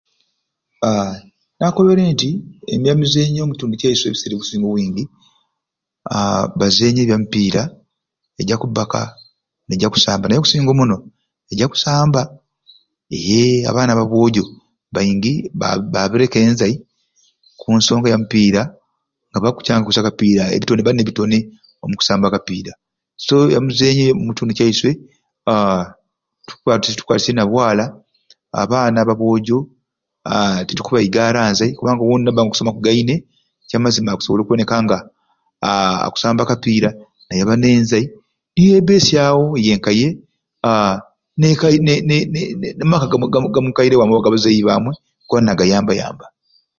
Aa nakobere nti ebyamizenyo omukitundu kyaiswe omubiseera ebingi, aa bazenya ebya mupiira egya kubbaka ne gya kusamba naye okusinga omuno egyakusamba eee abaana ba bwojo baingi ba baabireku enzai ku nsonga ya mupiira nga bakucanga kusai akapiira omukusamba akapiira so ebyamizenyo omukitundu kyaiswe aa tubikwa tubikwatisirye nabwaala abaana ba bwojo aa titukubaigaala nzai kubanga owondi okusoma n'okubba nga kugaine ekya max ma ayinza okubba nga aa akusaba akapiira nayaba nenzai niyebesyawo ye ka ye aa ne ne ne ne namaka ga mukaire wamwe oba aga bazeeyi bamwe goona nagayambayamba